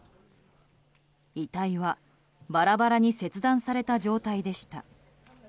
遺体はバラバラに切断された状態でした。